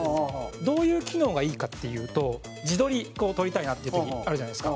どういう機能がいいかっていうと自撮り撮りたいなっていう時あるじゃないですか。